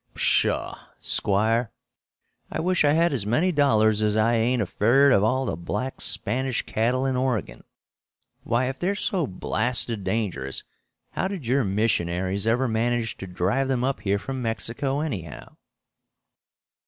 "Pshaw! Squire. I wish I had as many dollars as I ain't afeard of all the black Spanish cattle in Oregon. Why, if they're so blasted dangerous, how did your missionaries ever manage to drive them up here from Mexico, anyhow?"